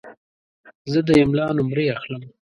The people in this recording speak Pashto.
زه د املا نمرې اخلم.